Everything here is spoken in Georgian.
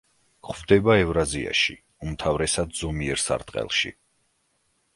გვხვდება ევრაზიაში, უმთავრესად ზომიერ სარტყელში.